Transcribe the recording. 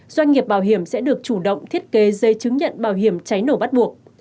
doanh nghiệp bảo hiểm sẽ được chủ động thiết kế dây chứng nhận bảo hiểm cháy nổ bắt buộc